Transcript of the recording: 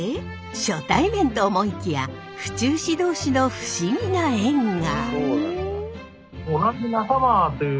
初対面と思いきや府中市同士の不思議な縁が。